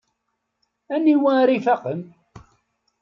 Aniwa ara ifaqen?